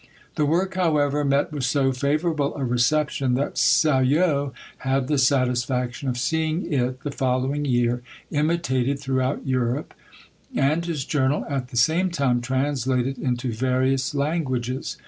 The work, however, met with so favourable a reception, that SALLO had the satisfaction of seeing it, the following year, imitated throughout Europe, and his Journal, at the same time, translated into various languages.